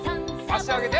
あしあげて。